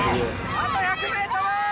あと１００ｍ！